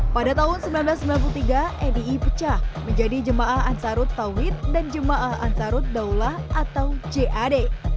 pada tahun seribu sembilan ratus sembilan puluh tiga edii pecah menjadi jemaah ansarut tawid dan jemaah ansarut daulah atau jad